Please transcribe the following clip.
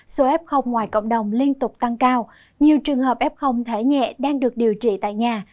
số f ngoài cộng đồng liên tục tăng cao nhiều trường hợp f thẻ nhẹ đang được điều trị tại nhà